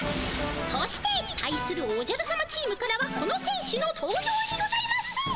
そして対するおじゃるさまチームからはこのせん手の登場にございます！